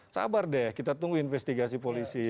sabar deh kita tunggu investigasi polisi